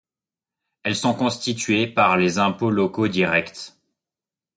Elles sont constituées par les impôts locaux directs.